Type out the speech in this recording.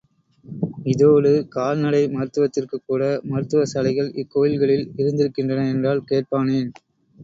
இதோடு, கால்நடை மருத்துவத்திற்கு கூட மருத்துவ சாலைகள் இக்கோயில்களில் இருந்திருக்கின்றன என்றால் கேட்பானேன்.